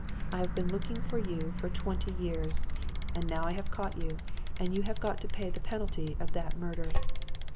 I have been looking for you for twenty years, and now I have caught you; and you have got to pay the penalty of that murder.'